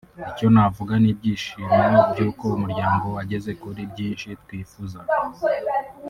Icyo navuga n’ibyishimo by’uko umuryango wageze kuri byinshi twifuzaga